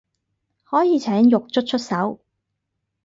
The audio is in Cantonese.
可以請獄卒出手